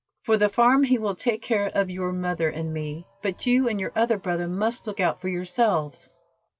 "For the farm he will take care of your mother and me, but you and your other brother must look out for yourselves."